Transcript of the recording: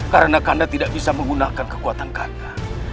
karena kanda tidak bisa menggunakan kekuatan kanda